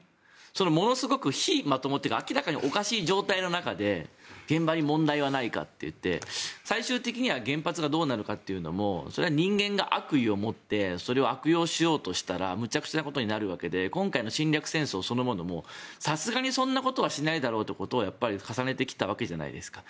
そのものすごく非まともというか明らかにおかしい状態の中で現場に問題はないからといって最終的に原発がどうなるかというのもそれは人間が悪意を持ってそれを悪用しようとしたらむちゃくちゃなことになるわけで今回の侵略戦争そのものもさすがにそんなことはしないだろうということを重ねてきたわけじゃないですか。